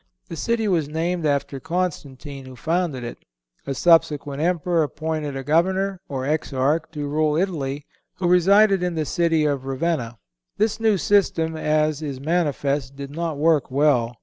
The city was named after Constantine, who founded it. A subsequent emperor appointed a governor, or exarch, to rule Italy, who resided in the city of Ravenna. This new system, as is manifest, did not work well.